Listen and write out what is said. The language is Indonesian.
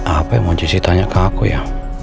apa yang mau cissy tanya ke aku ya